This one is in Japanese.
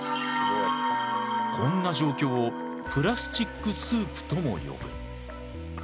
こんな状況をプラスチックスープとも呼ぶ。